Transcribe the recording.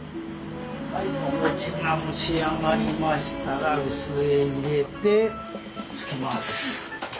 お餅が蒸し上がりましたら臼へ入れてつきます。